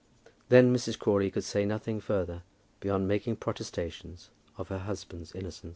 Then Mrs. Crawley could say nothing further beyond making protestations of her husband's innocence.